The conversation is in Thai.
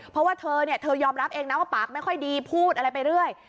เพราะว่าเธอเนี่ยเธอยอมรับเองนะว่าปากไม่ค่อยดีพูดอะไรไปเรื่อย